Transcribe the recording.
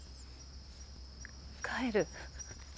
帰る。